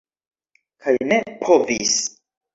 Kaj ne povis.